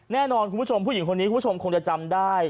แน่นอนผู้หญิงคนนี้คุณผู้ชมคงจะจำได้